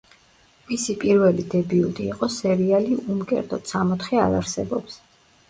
მისი პირველი დებიუტი იყო სერიალი „უმკერდოდ სამოთხე არ არსებობს“.